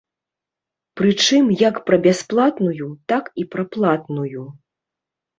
Прычым як пра бясплатную, так і пра платную.